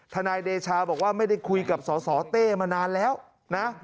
นายเดชาบอกว่าไม่ได้คุยกับสสเต้มานานแล้วนะ